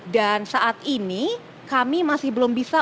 dan saat ini kami masih belum bisa